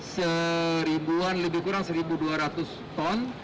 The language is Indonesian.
seribuan lebih kurang satu dua ratus ton